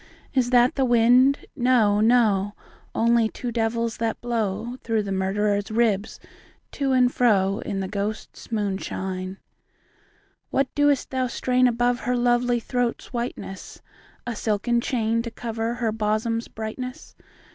Is that the wind ? No, no ; Only two devils, that blow Through the murderer's ribs to and fro. In the ghosts' moi^ishine. THE GHOSTS* MOONSHINE, 39 III. What dost thou strain above her Lovely throat's whiteness ? A silken chain, to cover Her bosom's brightness